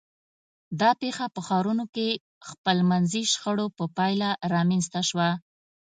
دا پېښه په ښارونو کې خپلمنځي شخړو په پایله رامنځته شوه.